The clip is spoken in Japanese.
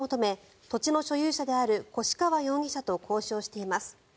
神栖市は道路の通行を求め土地の所有者である越川容疑者と交渉しています。